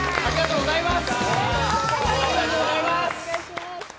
ありがとうございます！